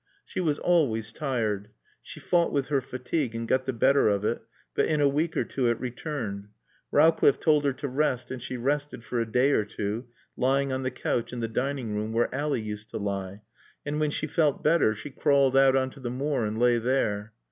She was always tired. She fought with her fatigue and got the better of it, but in a week or two it returned. Rowcliffe told her to rest and she rested, for a day or two, lying on the couch in the dining room where Ally used to lie, and when she felt better she crawled out on to the moor and lay there.